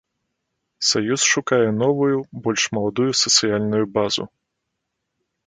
Саюз шукае новую, больш маладую сацыяльную базу.